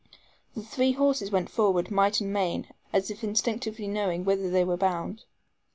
The three horses went forward might and main, as if instinctively knowing whither they were bound.